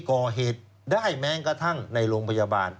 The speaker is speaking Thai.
ก่อเหตุได้แม้กระทั่งในโรงพยาบาล